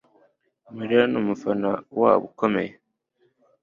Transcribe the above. Mariya numufana wabo ukomeye